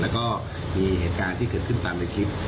แล้วก็มีเหตุการณ์ที่เกิดขึ้นตามในคลิป